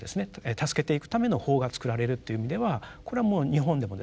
助けていくための法が作られるという意味ではこれはもう日本でもですね